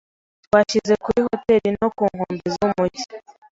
Twashyize muri hoteri nto ku nkombe z'umujyi.